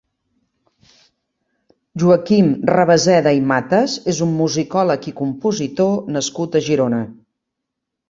Joaquim Rabaseda i Matas és un musicòleg i compositor nascut a Girona.